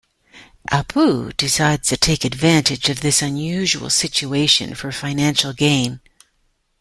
Apu decides to take advantage of this unusual situation for financial gain.